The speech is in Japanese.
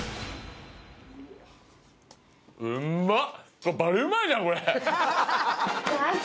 うまっ。